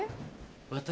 私。